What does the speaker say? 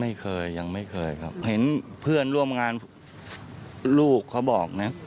ไม่เคยยังไม่เคยครับเห็นเพื่อนร่วมงานลูกเขาบอกนะ